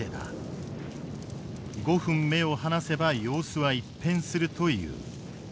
５分目を離せば様子は一変するという。